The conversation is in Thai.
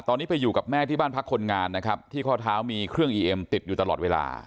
ตอนนี้ไปอยู่กับแม่ที่บ้านพักคนงานนะครับที่ข้อเท้ามีเครื่องอีเอ็มติดอยู่ตลอดเวลา